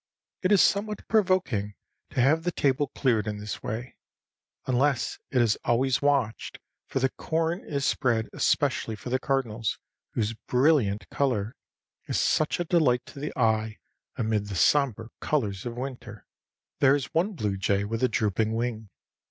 It is somewhat provoking to have the table cleared in this way, unless it is always watched, for the corn is spread especially for the cardinals whose brilliant color is such a delight to the eye amid the sombre colors of winter. There is one blue jay with a drooping wing.